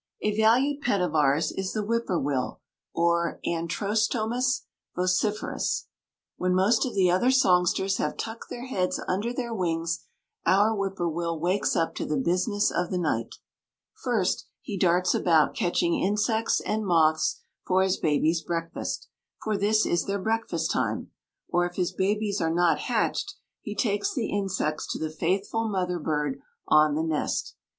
A valued pet of ours is the whippoorwill or Antrostomus vociferus. When most of the other songsters have tucked their heads under their wings our whippoorwill wakes up to the business of the night. First, he darts about catching insects and moths for his babies' breakfast for this is their breakfast time or if his babies are not hatched he takes the insects to the faithful mother bird on the nest.